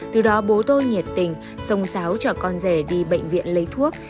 từ đó bố tôi nhiệt tình sống sáo chở con rẻ đi bệnh viện lấy thuốc